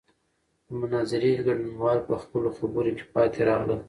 د مناظرې ګډونوال په خپلو خبرو کې پاتې راغلل.